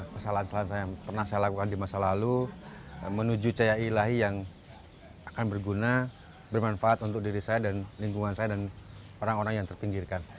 kesalahan kesalahan saya yang pernah saya lakukan di masa lalu menuju caya ilahi yang akan berguna bermanfaat untuk diri saya dan lingkungan saya dan orang orang yang terpinggirkan